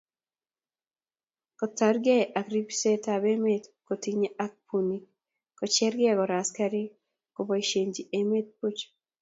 kotergei ak ribsetab emet kotinygei ak bunik, kocherugei kora askarik koboisiechi emet buch.